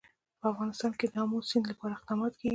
په افغانستان کې د آمو سیند لپاره اقدامات کېږي.